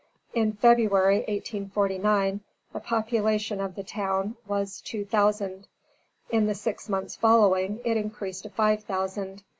In February, 1849, the population of the town was two thousand. In the six months following, it increased to five thousand.